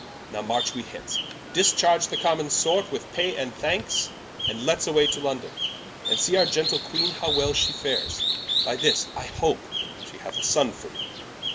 Now march we hence, discharge the common sort With Pay and Thankes, and let's away to London, And see our gentle Queene how well she fares, By this (I hope) she hath a Sonne for me.